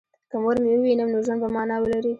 که مور مې ووینم نو ژوند به مانا ولري